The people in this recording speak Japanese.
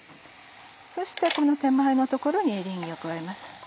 そしてこの手前の所にエリンギを加えます。